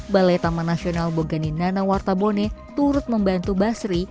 balai taman nasional boganinana wartabone turut membantu basri